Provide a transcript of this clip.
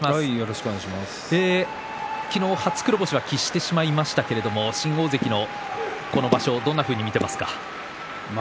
昨日初黒星を喫してしまいましたが新大関の今場所どんなふうに見てますか？